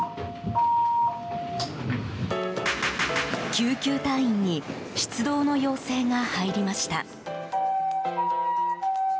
救急隊員に出動の要請が入りました。